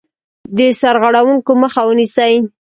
د سرغړونکو مخه ونیسي.